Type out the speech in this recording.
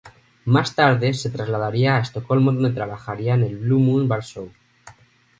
Más tarde, se trasladaría a Estocolmo donde trabajaría en el "Blue Moon Bar Show".